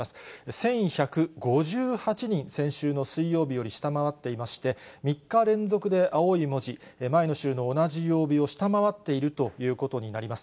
１１５８人、先週の水曜日より下回っていまして、３日連続で青い文字、前の週の同じ曜日を下回っているということになります。